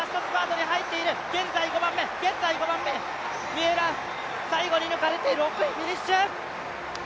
三浦、最後に抜かれて６位フィニッシュ！